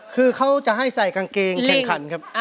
คือเขาจะให้ใส่กางเกงแข่งขันครับ